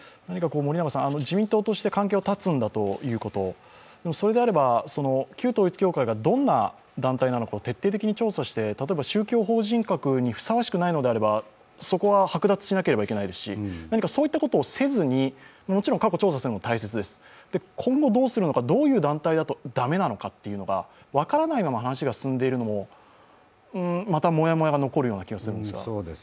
自民党として関係を断つんだということ、それであれば、旧統一教会がどんな団体なのかを徹底的に調査して例えば宗教法人格にふさわしくないのであればそこは剥奪しなければいけないですし、そういったことをせずに、もちろん過去を調査するのも大切です、今後、調査するのか、どういう団体だとだめなのか、分からないまま話が進んでいるのも、またもやもやが残るような気がするんですが。